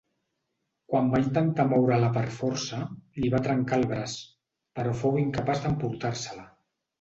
Quan va intentar moure-la per força, li va trencar el braç, però fou incapaç d'emportar-se-la.